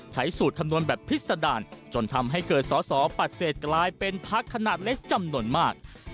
ใช้สูตรคำนวณแบบพิษดารจนทำให้เกิดสอสอปฏิเสธกลายเป็นพักขนาดเล็กจำนวนมาก